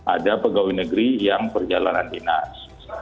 ada pegawai negeri yang perjalanan dinas